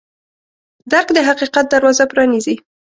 درک د حقیقت دروازه پرانیزي.